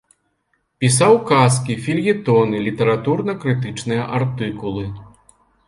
Пісаў казкі, фельетоны, літаратурна-крытычныя артыкулы.